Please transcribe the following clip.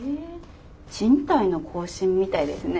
賃貸の更新みたいですね。